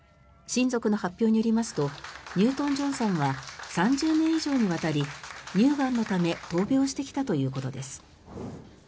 親族の発表によりますとニュートン・ジョンさんは３０年以上にわたり乳がんのため闘病してきたということです。